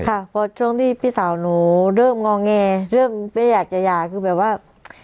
ค่ะพอช่วงที่พี่สาวหนูเริ่มงอแงเริ่มไม่อยากจะหย่าคือแบบว่า